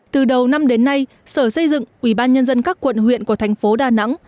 từ đầu năm đến nay sở xây dựng ủy ban nhân dân các quận huyện của thành phố đà nẵng